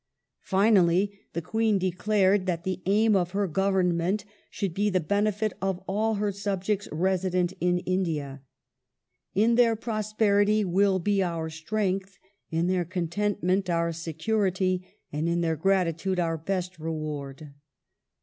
Finally, the Queen declared that the aim of her government should be the benefit of all her subjects resident in India. "In their prosperity will be our strength, in their contentment our security, and in their gratitude our best reward."